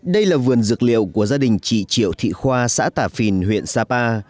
đây là vườn dược liệu của gia đình chị triệu thị khoa xã tả phìn huyện sapa